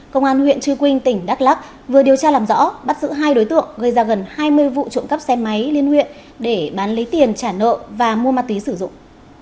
công an huyện trư quynh tỉnh đắk lắc vừa điều tra làm rõ bắt giữ hai đối tượng gây ra gần hai mươi vụ trộm cắp xe máy liên huyện để bán lấy tiền trả nợ và mua ma túy sử dụng